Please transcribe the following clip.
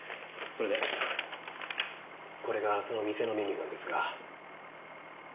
それでこれがその店のメニューなんですが。